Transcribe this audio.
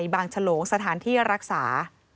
บางฉลงสถานที่รักษา